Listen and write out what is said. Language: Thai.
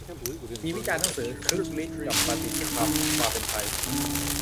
มีวิจารณ์หนังสือ "คึกฤทธิ์กับประดิษฐกรรม 'ความเป็นไทย'"